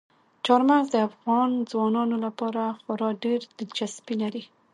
چار مغز د افغان ځوانانو لپاره خورا ډېره دلچسپي لري.